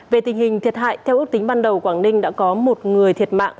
về tình hình thiệt hại theo ước tính ban đầu quảng ninh đã có một người thiệt mạng